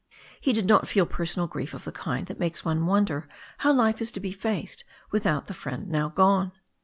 He did not feel personal grief of the kind that makes one wonder how life is to be faced without the friend now gone.